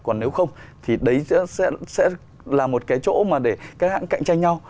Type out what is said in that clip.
còn nếu không thì đấy sẽ là một cái chỗ mà để các hãng cạnh tranh nhau